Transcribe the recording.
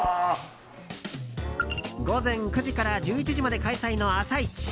午前９時から１１時まで開催の朝市。